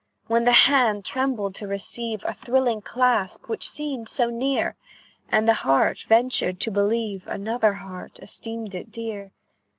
"When the hand trembled to receive A thrilling clasp, which seemed so near, And the heart ventured to believe Another heart esteemed it dear.